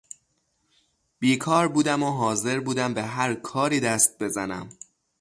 بیکار بودم و حاضر بودم به هرکاری دست بزنم.